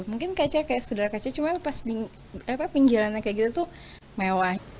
mungkin kaca kayak sedar kaca cuma pas pinggirannya kayak gitu tuh mewah